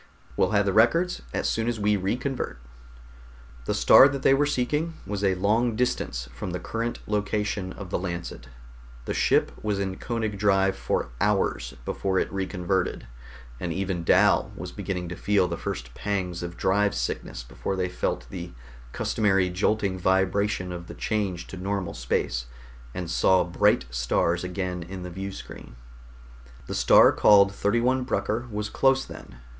We'll have the records as soon as we reconvert." The star that they were seeking was a long distance from the current location of the Lancet. The ship was in Koenig drive for hours before it reconverted, and even Dal was beginning to feel the first pangs of drive sickness before they felt the customary jolting vibration of the change to normal space, and saw bright stars again in the viewscreen. The star called 31 Brucker was close then.